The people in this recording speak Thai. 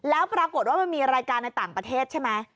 แล้วปรากฏว่ามันมีรายการในต่างประเทศใช่ไหม